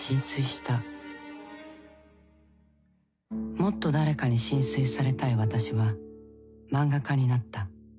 もっと誰かに心酔されたい私は漫画家になった。